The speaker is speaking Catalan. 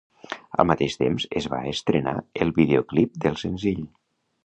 Al mateix temps, es va estrenar el videoclip del senzill.